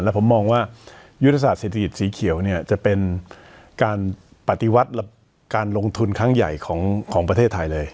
ผมมองว่ายุทธศาสตเศรษฐกิจสีเขียวเนี่ยจะเป็นการปฏิวัติการลงทุนครั้งใหญ่ของประเทศไทยเลย